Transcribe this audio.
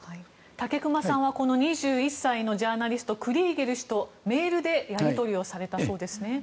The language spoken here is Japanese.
武隈さんは２１歳のジャーナリストクリーゲル氏とメールでやり取りをされたそうですね。